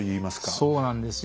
そうなんですよ。